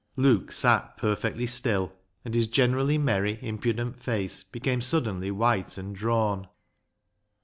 Luke sat perfectly still, and his generally merry, impudent face became suddenly white and drawn.